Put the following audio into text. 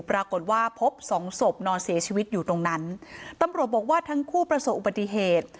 ปรากฏว่าพบสองศพนอนเสียชีวิตอยู่ตรงนั้นตำรวจบอกว่าทั้งคู่ประสบอุบัติเหตุ